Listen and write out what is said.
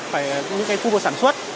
phải những cái khu vực sản xuất